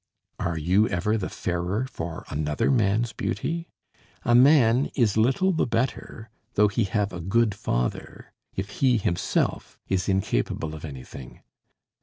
Are you ever the fairer for another man's beauty? A man is little the better though he have a good father, if he himself is incapable of anything.